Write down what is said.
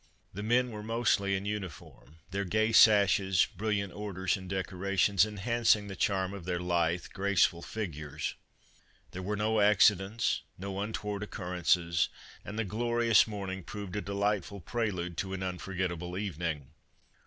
The men were mostly in uniform, their gay sashes, brilliant orders and decorations enhancing the charm of their lithe, graceful figures. There were no accidents, no un toward occurrences, and the glorious morning proved ^7 Christmas under Three Tlags a delightful prelude to an unforgetable evening.